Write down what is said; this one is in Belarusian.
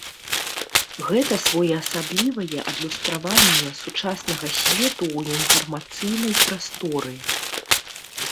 Гэта своеасаблівае адлюстраванне сучаснага свету ў інфармацыйнай прасторы.